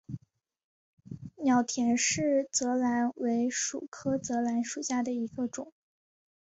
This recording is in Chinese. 岛田氏泽兰为菊科泽兰属下的一个种。